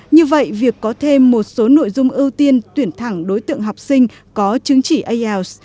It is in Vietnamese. như vậy việc có thêm một số nội dung ưu tiên tuyển thẳng đối tượng học sinh có chứng chỉ ielts